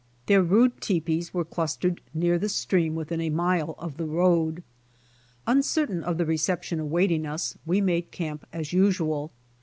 Their rude tepees were clustered near the stream within a mile of the road. Uncertain of the reception awaiting us, we made camp as usual.